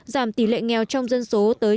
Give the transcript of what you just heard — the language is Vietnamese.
giảm tỷ lệ nghèo trong dân số tới chín mươi năm